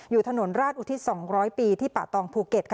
อยู่ถนนราชอุทิศ๒๐๐ปีที่ป่าตองภูเก็ต